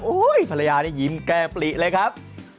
ภรรยานี่ยิ้มแก้ปลิเลยครับ